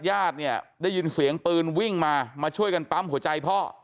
ญาติเนี่ยได้ยินเสียงปืนวิ่งมามาช่วยกันปั๊มหัวใจพ่อ